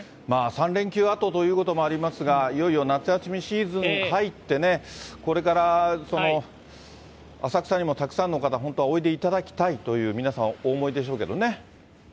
３連休あとということもありますが、いよいよ夏休みシーズン入ってね、これから浅草にも、たくさんの方、本当はおいでいただきたいと、皆さんお思いでしょうけどね。